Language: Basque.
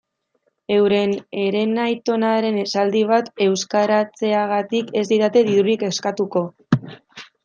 Euren herenaitonaren esaldi bat euskaratzeagatik ez didate dirurik eskatuko.